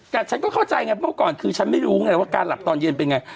แต่ฉันก็เข้าใจไงเมื่อก่อนคือฉันไม่รู้ไงว่าการหลับตอนเย็นเป็นไง